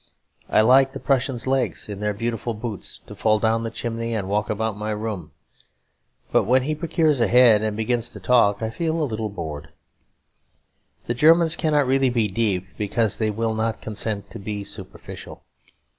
I like the Prussian's legs (in their beautiful boots) to fall down the chimney and walk about my room. But when he procures a head and begins to talk, I feel a little bored. The Germans cannot really be deep because they will not consent to be superficial.